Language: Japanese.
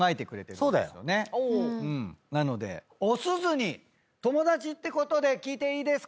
なのでおすずに友達ってことで聞いていいですか？